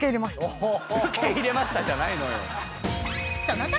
「受け入れました」じゃないのよ。